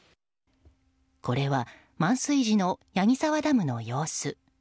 これは満水時の矢木沢ダムの様子。